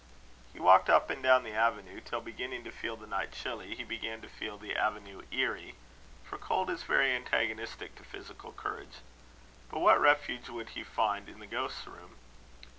He walked up and down the avenue, till, beginning to feel the night chilly, he began to feel the avenue eerie; for cold is very antagonistic to physical courage. But what refuge would he find in the ghost's room?